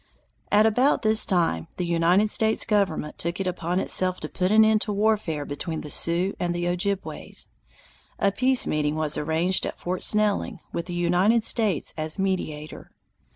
At about this time, the United States government took it upon itself to put an end to warfare between the Sioux and Ojibways. A peace meeting was arranged at Fort Snelling, with the United States as mediator.